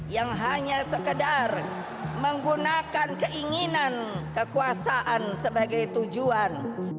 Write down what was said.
yang hanya sekedar menggunakan keinginan kekuasaan sebagai tujuan